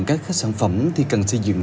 các khách sản phẩm thì cần xây dựng